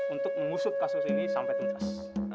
untuk mengusut kasus ini sampai tuntas